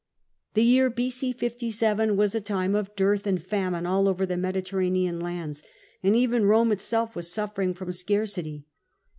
The year b.c. 57 was a time of dearth and famine all over the Mediterranean lands, and even Eome itself was suffering from scarcity.